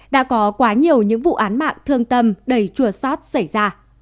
đã có quá nhiều những vụ án mạng thương tâm đầy chùa sót xảy ra